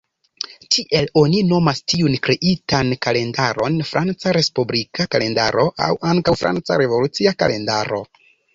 Tiel, oni nomas tiun kreitan kalendaron Franca respublika kalendaro aŭ ankaŭ Franca revolucia kalendaro.